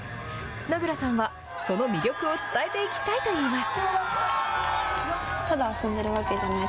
名倉さんは、その魅力を伝えていきたいといいます。